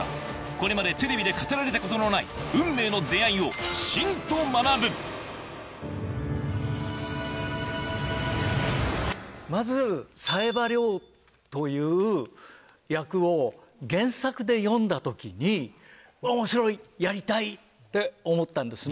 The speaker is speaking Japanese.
これまでテレビで語られたことのない運命の出会いをまず冴羽という役を原作で読んだ時に面白いやりたいって思ったんですね。